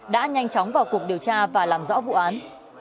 đã nhanh chóng vào cuộc điều tra và làm rõ vụ án